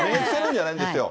じゃないんですよ。